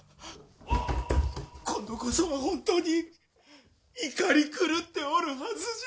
今度こそは本当に怒り狂っておるはずじゃ。